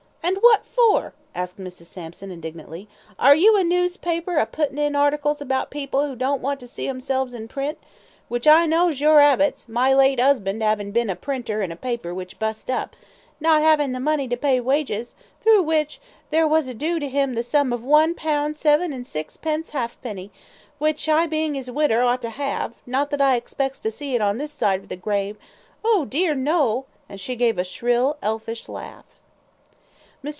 "And what for?" asked Mrs. Sampson, indignantly. "Are you a noospaper a putin' in articles about people who don't want to see 'emselves in print, which I knows your 'abits, my late 'usband 'avin' bin a printer on a paper which bust up, not 'avin' the money to pay wages, thro' which, there was doo to him the sum of one pound seven and sixpence halfpenny, which I, bein' 'is widder, ought to 'ave, not that I expects to see it on this side of the grave oh, dear, no!" and she gave a shrill, elfish laugh. Mr.